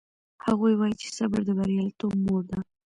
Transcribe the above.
هغوی وایي چې صبر د بریالیتوب مور ده